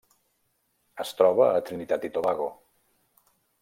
Es troba a Trinitat i Tobago.